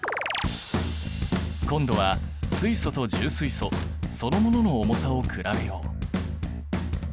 今度は水素と重水素そのものの重さをくらべよう。